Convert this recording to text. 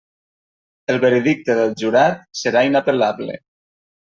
El veredicte del jurat serà inapel·lable.